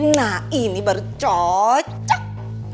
nah ini baru cocok